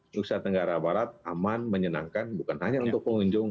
nusa tenggara barat aman menyenangkan bukan hanya untuk pengunjung